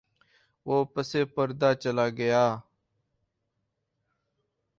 وہ پس پردہ چلاگیا۔